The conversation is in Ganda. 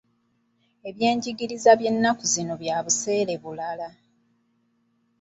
Ebyenjigiriza by'ennaku zino byabuseere bulala